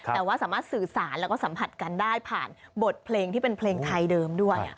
แต่ว่าสามารถสื่อสารแล้วก็สัมผัสกันได้ผ่านบทเพลงที่เป็นเพลงไทยเดิมด้วย